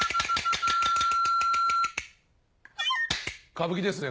歌舞伎ですね